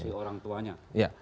aksi orang tuanya